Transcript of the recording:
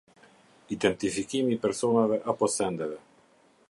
Identifikimi i personave apo sendeve.